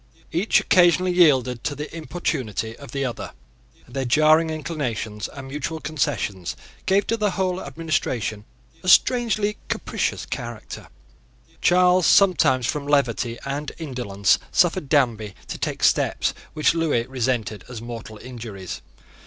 Each occasionally yielded to the importunity of the other; and their jarring inclinations and mutual concessions gave to the whole administration a strangely capricious character. Charles sometimes, from levity and indolence, suffered Danby to take steps which Lewis resented as mortal injuries.